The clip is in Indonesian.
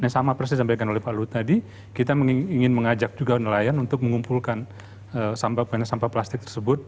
sama persis yang dikirimkan oleh pak lut tadi kita ingin mengajak juga nelayan untuk mengumpulkan sampah plastik tersebut